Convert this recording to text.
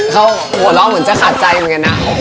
เขาหัวเราะเหมือนจะขาดใจเหมือนกันนะ